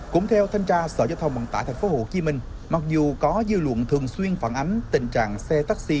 cũng theo thanh tra sở giao thông vận tải tp hcm mặc dù có dư luận thường xuyên phản ánh tình trạng xe taxi